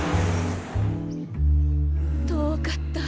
遠かった。